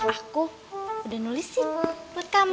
aku udah nulisin buat kamu